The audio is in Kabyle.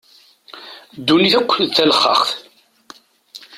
Ddunit akk d talexxaxt.